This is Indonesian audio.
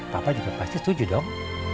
papa juga pasti setuju dong